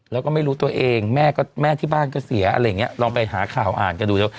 แล้วก็ไม่รู้ตัวเองแม่ที่บ้านก็เสียลองไปหาข่าวอ่านก็ดูเถอะ